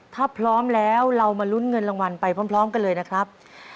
ถ้าพร้อมแล้วเรามาลุ้นเงินรางวัลไปพร้อมกันเลยนะครับ